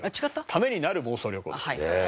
ためになる妄想旅行です。